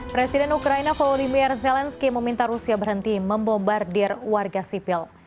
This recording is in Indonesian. presiden ukraina volodymyer zelensky meminta rusia berhenti membombardir warga sipil